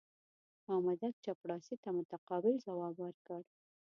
مامدک چپړاسي ته متقابل ځواب ورکړ.